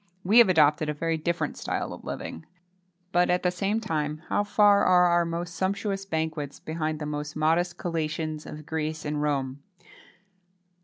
We have adopted a very different style of living. But, at the same time, how far are our most sumptuous banquets behind the most modest collations of Greece and Rome!